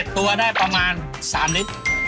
ตัวได้ประมาณ๓ลิตร